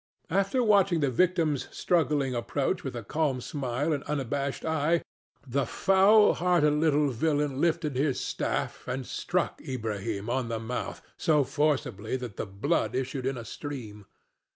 After watching the victim's struggling approach with a calm smile and unabashed eye, the foul hearted little villain lifted his staff and struck Ilbrahim on the mouth so forcibly that the blood issued in a stream.